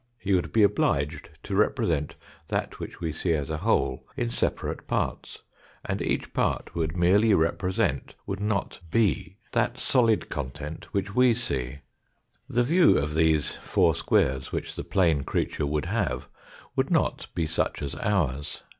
He would be obliged to represent that which we see as a whole in separate parts, and each part would merely represent, would not be, that solid content which we see. THE X USE OF FOUR DIMENSIONS IN THOUGH* 95 The view of these four squares which the plane creature would have would not be such as ours.